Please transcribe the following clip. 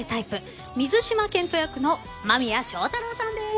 水島健人役の間宮祥太朗さんです。